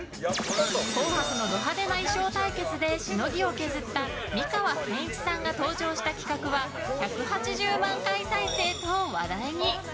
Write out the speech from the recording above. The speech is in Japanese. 「紅白」のド派手な衣装対決でしのぎを削った美川憲一さんが登場した企画は１８０万回再生と話題に。